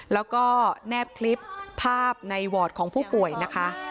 แล้วก็แนบคลิปภาพในวอร์ดของผู้ป่วยนะคะ